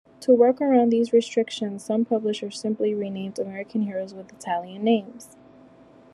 To work around these restrictions, some publishers simply renamed American heroes with Italian names.